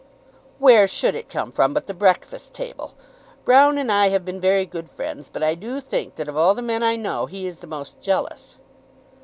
"Where should it come from but the 'Breakfast Table'? Broune and I have been very good friends, but I do think that of all the men I know he is the most jealous."